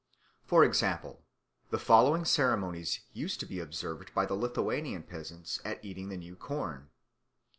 For example, the following ceremonies used to be observed by Lithuanian peasants at eating the new corn.